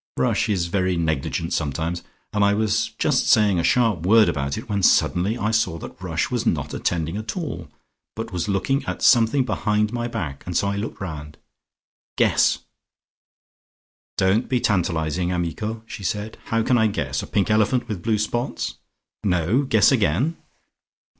Rush is very negligent sometimes and I was just saying a sharp word about it, when suddenly I saw that Rush was not attending at all, but was looking at something behind my back, and so I looked round. Guess!" "Don't be tantalising, amico," said she. "How can I guess? A pink elephant with blue spots!" "No, guess again!"